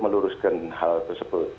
menuruskan hal tersebut